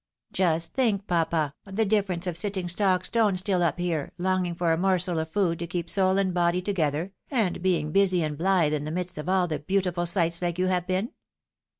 Just think, papa, the difference of sitting stock stone still up here, longing for a morsel of food to keep soul and body together, and being busy and blithe in the midst of aU the beautiful sights like you have been."